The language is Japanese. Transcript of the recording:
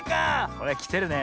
これきてるね。